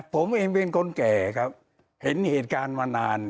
ผมเองเป็นคนแก่ครับเห็นเหตุการณ์มานาน